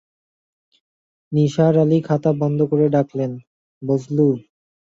নিসার আলি খাতা বন্ধ করে ডাকলেন, বজলু!